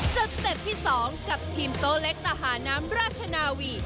สติปที่สองกับทีมตัวเล็กตะหาน้ำราชนาวี